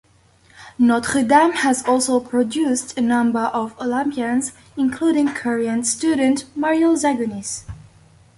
Notre Dame has also produced a number of Olympians, including current student Mariel Zagunis.